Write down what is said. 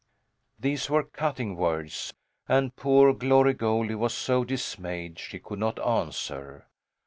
These were cutting words, and poor Glory Goldie was so dismayed she could not answer.